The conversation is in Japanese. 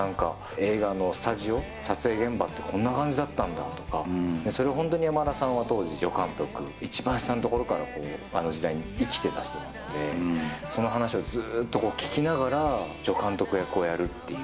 映画のスタジオ、撮影現場ってこんな感じだったんだとか、それを本当に山田さんは当時、助監督、一番下の所から、あの時代に生きてた人なので、その話をずっと聞きながら、助監督役をやるっていう。